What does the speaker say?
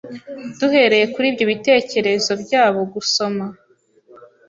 Duhereye kuri ibyo bitekerezo byabo gusoma